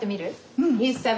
うん。